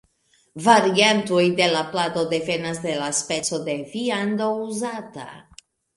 Variantoj de la plado devenas de la speco de viando uzata.